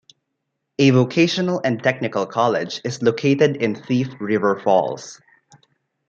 A vocational and technical college is located in Thief River Falls.